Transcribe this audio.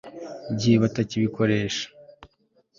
gihe batakibikoresha